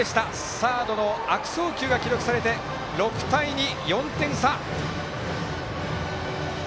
サードの悪送球が記録されて６対２、４点差。